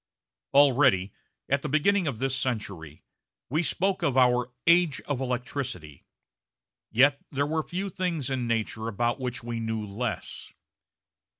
Already, at the beginning of this century, we spoke of our "age of electricity," yet there were few things in nature about which we knew less.